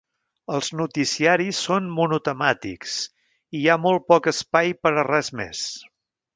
Els noticiaris són monotemàtics i hi ha molt poc espai per a res més.